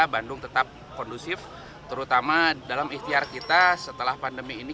bandung tetap kondusif terutama dalam ikhtiar kita setelah pandemi ini